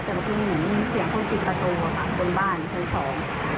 แต่มีเสียงคนสิบประตูค่ะคนบ้านคนสอง